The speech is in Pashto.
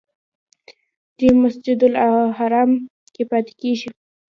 چې مسجدالحرام کې پاتې کېږي.